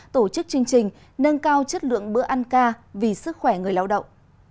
tổ chức chương trình nâng cao chất lượng bữa ăn ca vì sức khỏe người lao động